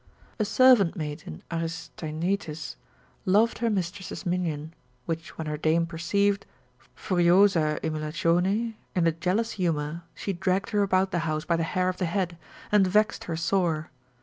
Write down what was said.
A servant maid in Aristaenetus loved her mistress's minion, which when her dame perceived, furiosa aemulatione in a jealous humour she dragged her about the house by the hair of the head, and vexed her sore.